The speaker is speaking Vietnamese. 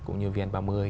cũng như vn ba mươi